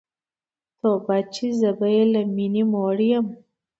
توبه چي زه به له میني موړ یم